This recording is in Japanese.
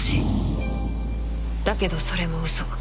だけどそれも嘘